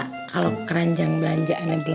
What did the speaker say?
kalo keranjang belanjaannya belum balik